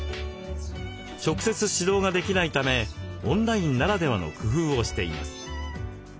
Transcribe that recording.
直接指導ができないためオンラインならではの工夫をしています。